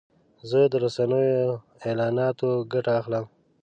زه د رسنیو د اعلاناتو ګټه اخلم.